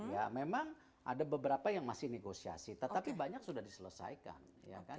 ya memang ada beberapa yang masih negosiasi tetapi banyak sudah diselesaikan ya kan